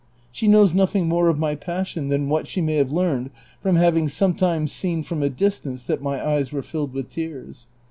She knows nothing more of my passion than what she may have learned from having some times seen from a distance that my eyes were filled with tears.